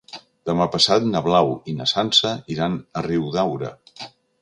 Demà passat na Blau i na Sança iran a Riudaura.